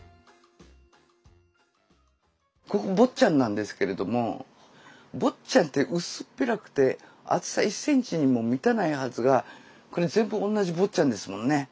ここ「坊っちゃん」なんですけれども「坊っちゃん」って薄っぺらくて厚さ１センチにも満たないはずがこれ全部同じ「坊っちゃん」ですもんね。